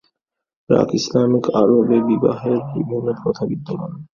প্রাক-ইসলামী আরবে, বিবাহের বিভিন্ন প্রথা বিদ্যমান ছিল।